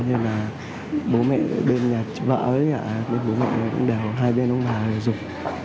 nhưng mà bố mẹ bên nhà vợ ấy bố mẹ cũng đèo hai bên ông bà dục